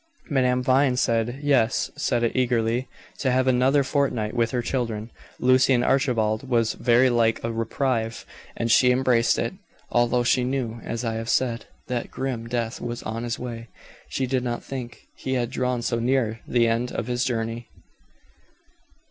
Madame Vine said "Yes." Said it eagerly. To have another fortnight with her children, Lucy and Archibald, was very like a reprieve, and she embraced it. Although she knew, as I have said, that grim Death was on his way, she did not think he had drawn so near the end of his journey.